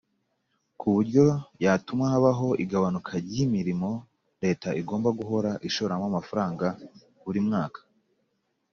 ku buryo yatuma habaho igabanuka ry'imirimo leta igomba guhora ishoramo amafaranga buri mwaka.